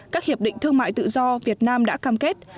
các hiệp định thương mại tự do việt nam đã cam kết